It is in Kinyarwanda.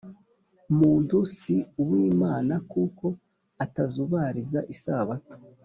muntu si uw Imana kuko atazubariza isabato.